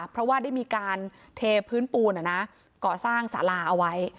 เพราะว่าได้มีการเทพื้นปูนก่อสร้างสาราเอาไว้